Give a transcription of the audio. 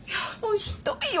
ひどいよ。